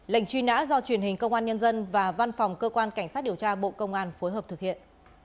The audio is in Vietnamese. lệnh truy nã do truyền hình công an nhân dân và văn phòng cơ quan cảnh sát điều tra bộ công an phối hợp thực hiện